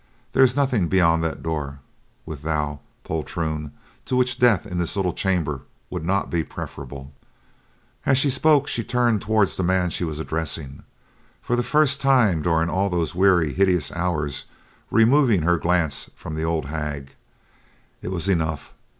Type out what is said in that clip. There is nothing beyond that door, with thou, poltroon, to which death in this little chamber would not be preferable." As she spoke, she turned toward the man she was addressing, for the first time during all those weary, hideous hours removing her glance from the old hag. It was enough.